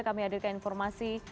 kami akan memberikan informasi